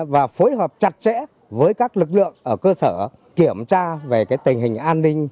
và phối hợp chặt chẽ với các lực lượng ở cơ sở kiểm tra về tình hình an ninh